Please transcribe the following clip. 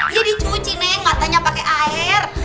ya dicuci nek matanya pake air